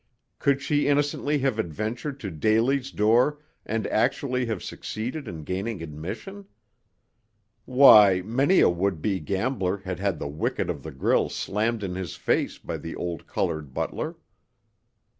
Could she innocently have adventured to Daly's door and actually have succeeded in gaining admission? Why, many a would be gambler had had the wicket of the grille slammed in his face by the old colored butler.